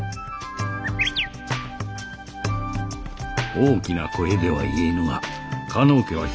大きな声では言えぬが加納家は火の車じゃ。